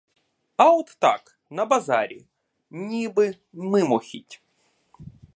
А от так, на базарі, ніби мимохідь.